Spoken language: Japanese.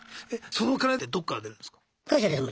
そのお金ってどっから出るんですか？